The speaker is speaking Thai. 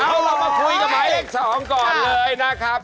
เอาเรามาคุยกับหมายเลข๒ก่อนเลยนะครับ